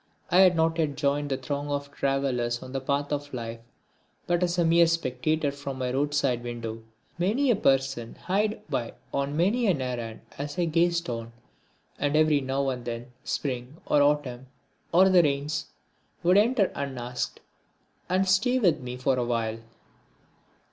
I had not yet joined the throng of travellers on the path of Life, but was a mere spectator from my roadside window. Many a person hied by on many an errand as I gazed on, and every now and then Spring or Autumn, or the Rains would enter unasked and stay with me for a while.